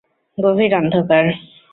গভীর অন্ধকার।